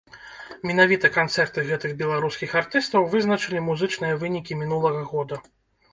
Менавіта канцэрты гэтых беларускіх артыстаў вызначылі музычныя вынікі мінулага года.